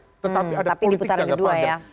tetapi ada politik jangka panjang